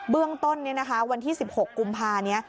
เบื้องต้นนี้นะคะวันที่๑๖กุมภาพนี้